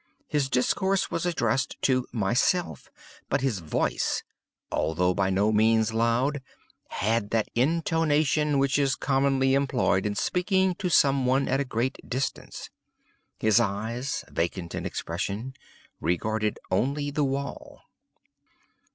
His discourse was addressed to myself; but his voice, although by no means loud, had that intonation which is commonly employed in speaking to some one at a great distance. His eyes, vacant in expression, regarded only the wall.